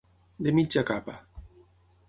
De mitja capa.